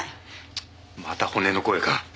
チッまた骨の声か。